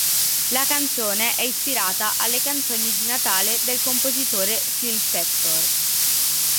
La canzone è ispirata alle canzoni di Natale del compositore Phil Spector.